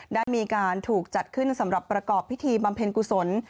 ได้มีการถูกจัดขึ้นสำหรับประกอบพิธีบำเพ็ญกุศล